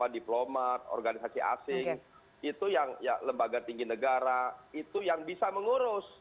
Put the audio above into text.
diplomat organisasi asing itu yang ya lembaga tinggi negara itu yang bisa mengurus